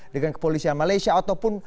dengan kepolisian malaysia ataupun